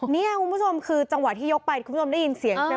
นี่คุณผู้ชมคือจังหวะที่ยกไปคุณผู้ชมได้ยินเสียงใช่ไหม